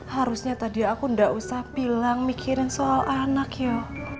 harusnya tadi aku nggak usah bilang mikirin soal anak ya